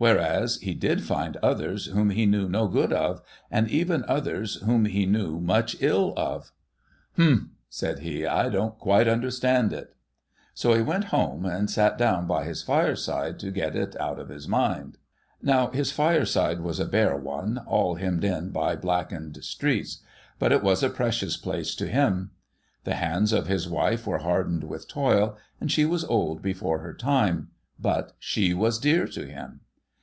^Vhereas, he did find others whom he knew no good of, and even others whom he knew much ill of. ' Humph !' said he. ' I don't quite understand it.' ' So, he went home, and sat down by his fireside to get it out of his mind. Now, his fireside was a bare one, all hemmed in by blackened streets ; but it was a precious place to him. The hands of his wife were hardened with toil, and she was old before her time ; but she was dear to him.